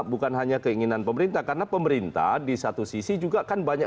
bukan hanya keinginan pemerintah karena pemerintah di satu sisi juga kan banyak